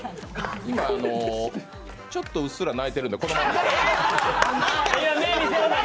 今ちょっとうっすら泣いてるんで、このまま。